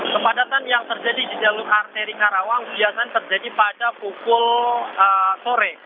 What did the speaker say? kepadatan yang terjadi di jalur arteri karawang biasanya terjadi pada pukul sore